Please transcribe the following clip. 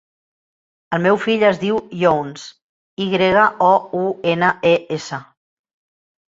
El meu fill es diu Younes: i grega, o, u, ena, e, essa.